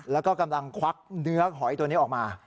แล้วก็กำลังควักเนื้อหอยตัวนี้ออกมา